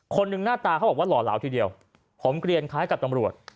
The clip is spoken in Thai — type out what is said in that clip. คนหนึ่งหน้าตาเขาบอกว่าหล่อเหลาทีเดียวผมเกลียนคล้ายกับตำรวจ